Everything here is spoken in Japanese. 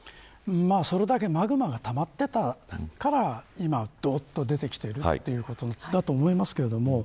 それだけマグマがたまっていたから今、どっと出てきていることだと思いますけど。